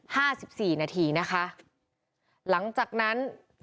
สิบสี่นาทีนะคะหลังจากนั้น